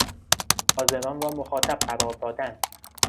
حاضران را مخاطب قرار دادن